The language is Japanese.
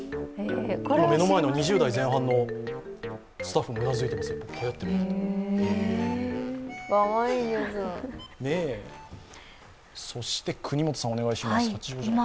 目の前の２０代前半のスタッフもうなずいていますよ、はやってるって。